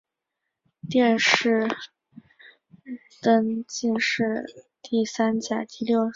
殿试登进士第三甲第三十六名。